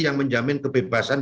yang menjamin kebebasan